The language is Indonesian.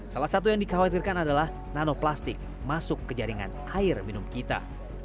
salah satu yang dikhawatirkan adalah nanoplastik masuk ke jaringan air minum kita